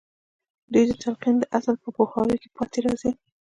دوی د تلقين د اصل په پوهاوي کې پاتې راځي.